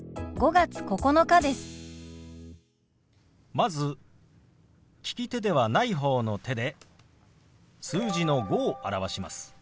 まず利き手ではない方の手で数字の「５」を表します。